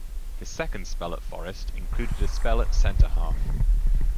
His second spell at Forest included a spell at centre-half.